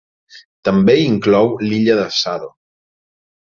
També inclou l'illa de Sado.